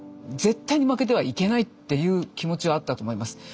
絶対に負けてはいけないっていう気持ちはあったと思います。